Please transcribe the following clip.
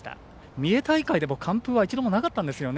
三重大会でも完封は一度もなかったんですよね。